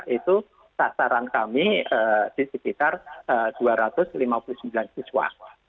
itu sasaran kami di sekitar dua ratus lima puluh sembilan siswa